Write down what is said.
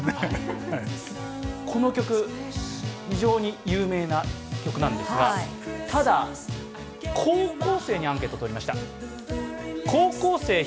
この曲、非常に有名な曲なんですが、ただ、高校生にアンケートをとりました。